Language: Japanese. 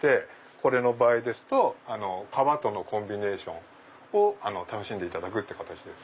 これの場合ですと革とのコンビネーションを楽しんでいただく形です。